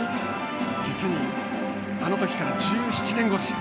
実に、あのときから１７年越し。